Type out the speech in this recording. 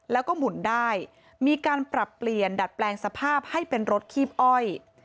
แล้วก็หมุนได้มีการปรับเปลี่ยนดัดแปลงสภาพให้เป็นรถคีบอ้อย